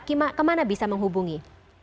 bagaimana bisa menghubungi